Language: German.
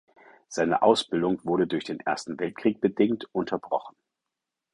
Seine Ausbildung wurde durch den Ersten Weltkrieg bedingt unterbrochen.